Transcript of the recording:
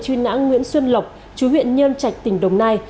chuyên ngã nguyễn xuân lộc chú huyện nhân trạch tỉnh đồng nai